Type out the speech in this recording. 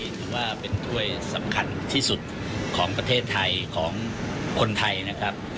ถือว่าเป็นถ้วยสำคัญที่สุดของประเทศไทยของคนไทยนะครับ